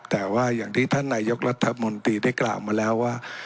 แต่ว่าอย่างที่ท่านนายกรัฐมนตรีได้กล่าวมาแล้วว่า